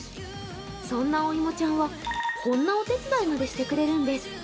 そんなおいもちゃんはこんなお手伝いまでしてくれるんです。